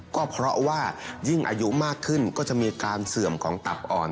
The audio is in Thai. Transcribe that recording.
ก็เพราะว่ายิ่งอายุมากขึ้นก็จะมีการเสื่อมของตับอ่อน